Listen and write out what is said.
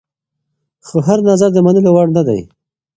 خو هر نظر د منلو وړ نه وي.